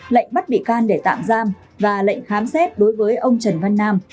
lệnh bắt bị can để tạm giam và lệnh khám xét đối với ông trần văn nam